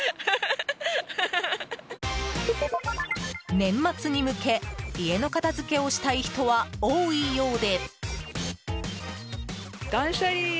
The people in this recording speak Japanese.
年末に向け家の片付けをしたい人は多いようで。